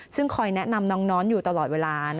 ซึ่งคอยแนะนำน้องอยู่ตลอดเวลา